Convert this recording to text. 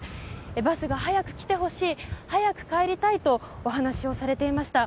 バスが早く来てほしい早く帰りたいとお話をされていました。